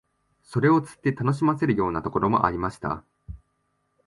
それを釣って楽しませるようなところもありました